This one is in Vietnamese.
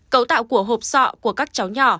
cấu tạo của hộp sọ của các cháu nhỏ